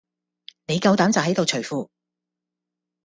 你夠膽就喺度除褲